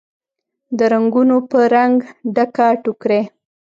د رنګونوپه رنګ، ډکه ټوکرۍ